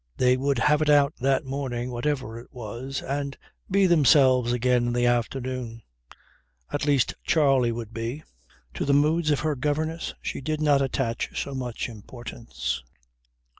They would have it out that morning whatever it was, and be themselves again in the afternoon. At least Charley would be. To the moods of her governess she did not attach so much importance.